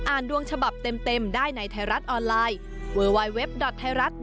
อ่านดวงฉบับเต็มเต็มได้ในไทยรัฐออนไลน์